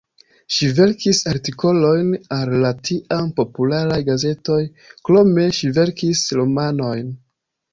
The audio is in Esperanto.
Ŝi verkis artikolojn al la tiam popularaj gazetoj, krome ŝi verkis romanojn.